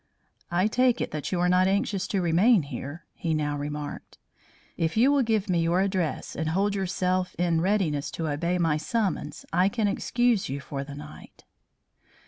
"I take it that you are not anxious to remain here," he now remarked. "If you will give me your address and hold yourself in readiness to obey my summons, I can excuse you for the night."